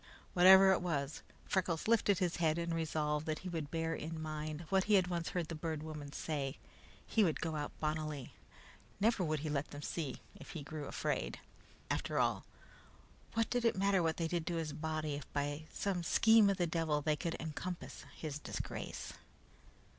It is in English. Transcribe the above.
Whatever it was, Freckles lifted his head and resolved that he would bear in mind what he had once heard the Bird Woman say. He would go out bonnily. Never would he let them see, if he grew afraid. After all, what did it matter what they did to his body if by some scheme of the devil they could encompass his disgrace?